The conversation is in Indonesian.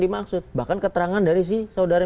dimaksud bahkan keterangan dari si saudara